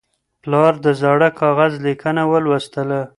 پلار د زاړه کاغذ لیکنه ولوستله.